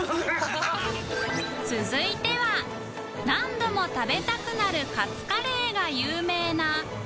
秣海い討何度も食べたくなるカツカレーが有名な‥